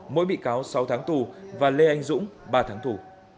mỗi bị cáo sáu tháng tù và lê anh dũng ba tháng tù